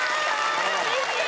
うれしい！